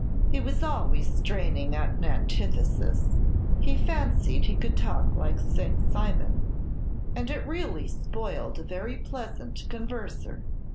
"He was always straining at an antithesis; he fancied he could talk like St. Simon, and it really spoiled a very pleasant converser."